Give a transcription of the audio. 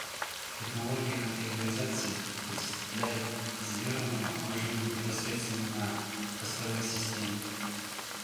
Технология контейнеризации предоставляет изолированное окружение непосредственно на хостовой системе